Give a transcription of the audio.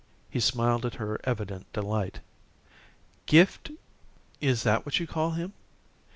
He smiled at her evident delight. "Gift " "Is that what you call him?"